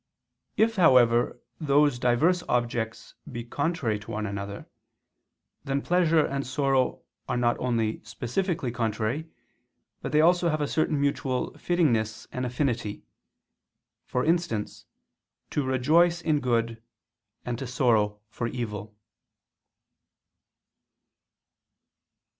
If, however, those diverse objects be contrary to one another, then pleasure and sorrow are not only specifically contrary, but they also have a certain mutual fittingness and affinity: for instance to rejoice in good and to sorrow for evil.